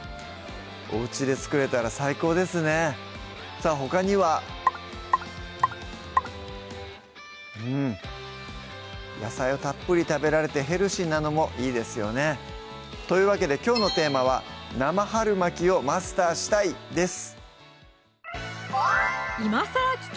さぁほかにはうん野菜をたっぷり食べられてヘルシーなのもいいですよねというわけできょうのテーマは「生春巻きをマスターしたい！」です